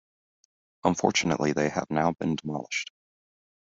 Unfortunately they have now been demolished.